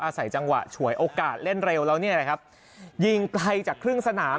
อาศัยจังหวะฉวยโอกาสเล่นเร็วแล้วเนี่ยนะครับยิงไกลจากครึ่งสนาม